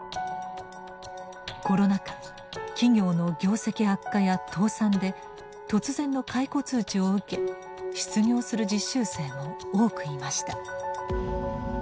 コロナ禍企業の業績悪化や倒産で突然の解雇通知を受け失業する実習生も多くいました。